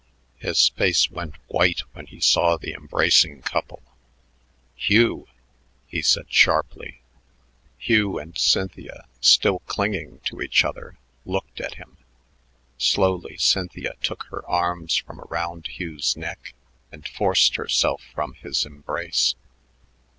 His face went white when he saw the embracing couple. "Hugh!" he said sharply. Hugh and Cynthia, still clinging to each other, looked at him. Slowly Cynthia took her arms from around Hugh's neck and forced herself from his embrace.